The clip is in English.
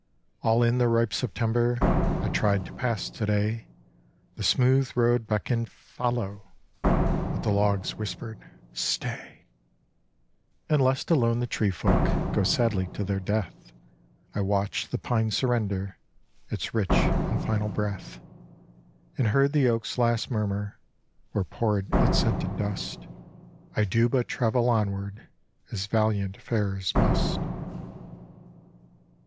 All in the ripe September I tried to pass today. The smooth road beckoned Follow! But the logs whispered ... Stay! 8 The Saw Mill on the Connecticut And lest alone the tree folk Go sadly to their death, I watched the pine surrender Its rich and final breath, And heard the oak's last murmur Where poured its scented dust " I do but travel onward As valiant farers must."